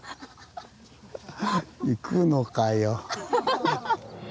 行くのか。